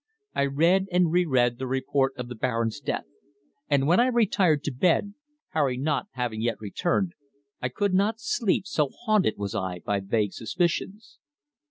I read and re read the report of the Baron's death, and when I retired to bed Harry not having yet returned I could not sleep, so haunted was I by vague suspicions.